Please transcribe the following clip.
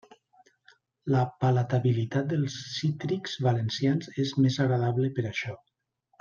La palatabilitat dels cítrics valencians és més agradable per això.